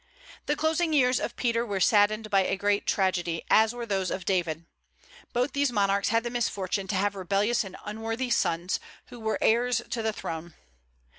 The closing years of Peter were saddened by a great tragedy, as were those of David. Both these monarchs had the misfortune to have rebellious and unworthy sons, who were heirs to the throne.